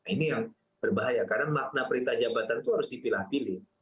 ini yang berbahaya karena makna perintah jabatan itu harus dipilah pilih